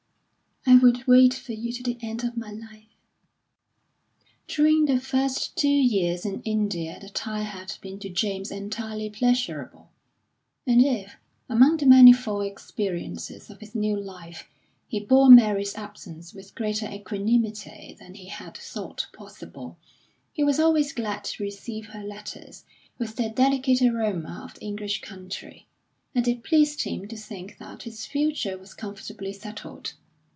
"I would wait for you to the end of my life." During the first two years in India the tie had been to James entirely pleasurable; and if, among the manifold experiences of his new life, he bore Mary's absence with greater equanimity than he had thought possible, he was always glad to receive her letters, with their delicate aroma of the English country; and it pleased him to think that his future was comfortably settled.